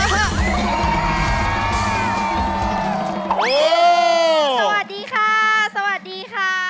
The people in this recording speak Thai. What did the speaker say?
สวัสดีค่ะสวัสดีค่ะ